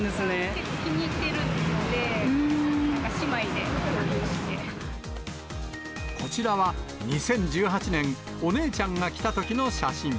結構、気に入ってるので、こちらは２０１８年、お姉ちゃんが着たときの写真。